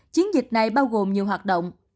chiến dịch này bao gồm nhiều hoạt động